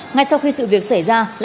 ngay sau khi sự việc xảy ra